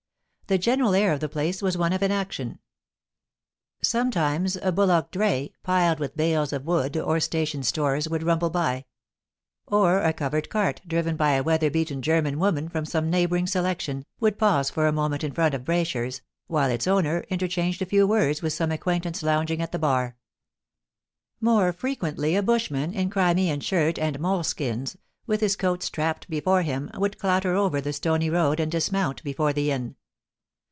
The general air of the place was one of inaction. Sometimes a bullock dray, piled with bales of wool or station stores, would rumble by; or a covered cart, driven by a weather beaten German woman from some neighbouring selection, would pause for a moment in front of Braysher's, while its owner interchanged a few words with some ac quaintance lounging at the bar. A T BRA YSHER'S INN, 3 More frequently a bushman, in Crimean shirt and mole skins, with his coat strapped before him, would clatter over the stony road and dismount before the inn.